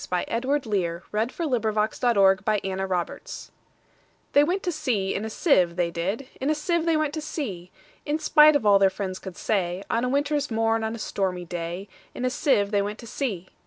1895. Edward Lear 1812–88 The Jumblies Lear Edw THEY went to sea in a sieve, they did; In a sieve they went to sea; In spite of all their friends could say, On a winter's morn, on a stormy day, In a sieve they went to sea.